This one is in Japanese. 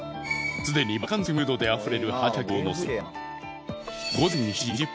すでにバカンスムードであふれる８１名の乗客を乗せ。